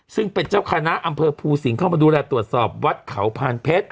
ซึ่งเป็นเจ้าคณะอำเภอภูสิงห์เข้ามาดูแลตรวจสอบวัดเขาพานเพชร